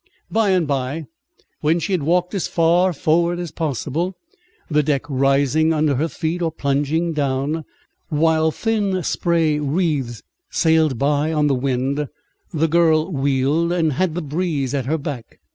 By and by, when she had walked as far forward as possible, the deck rising under her feet or plunging down, while thin spray wreaths sailed by on the wind, the girl wheeled and had the breeze at her back.